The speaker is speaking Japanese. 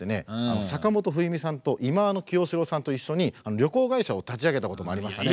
坂本冬美さんと忌野清志郎さんと一緒に旅行会社を立ち上げたこともありましたね。